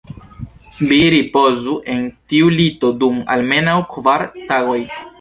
Vi ripozu en tiu lito dum almenaŭ kvar tagoj.